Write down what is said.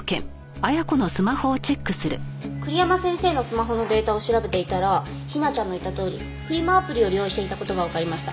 栗山先生のスマホのデータを調べていたら陽菜ちゃんの言ったとおりフリマアプリを利用していた事がわかりました。